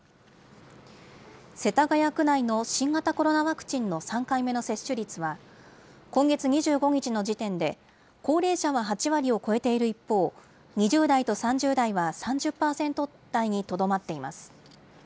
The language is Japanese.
世田谷区内の新型コロナワクチンの３回目の接種率は、今月２５日の時点で、高齢者は８割を超えている一方、２０代と３０代は３０％台にとどまっています。